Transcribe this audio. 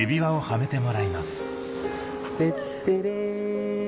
てってれ！